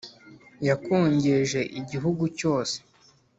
yakongeje igihugu cyose